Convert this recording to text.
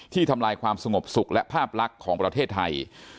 ทำลายความสงบสุขและภาพลักษณ์ของประเทศไทย